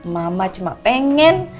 mama cuma pengen